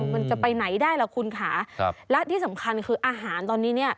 มันจะไปไหนได้ล่ะคุณค่ะครับและที่สำคัญคืออาหารตอนนี้เนี่ย